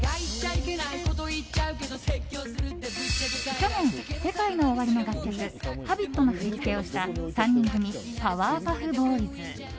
去年、ＳＥＫＡＩＮＯＯＷＡＲＩの楽曲「Ｈａｂｉｔ」の振り付けをした３人組、パワーパフボーイズ。